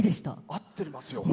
合ってますよ。